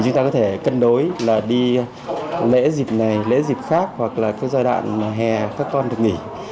chúng ta có thể cân đối là đi lễ dịp này lễ dịp khác hoặc là cái giai đoạn mà hè các con được nghỉ